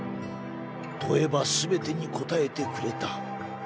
問えば全てに答えてくれた。